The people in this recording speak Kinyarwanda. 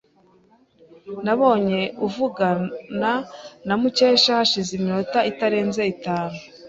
Nabonye uvugana na Mukesha hashize iminota itarenze itanu.